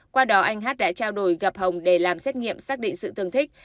qua đó anh hát đã trao đổi gặp hồng để làm xét nghiệm xác định sự tương thích